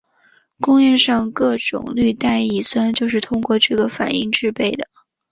工业上各种氯代乙酸就是通过这个反应制备的。